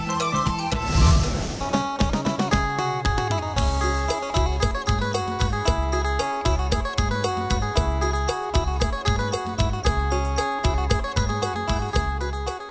ครับ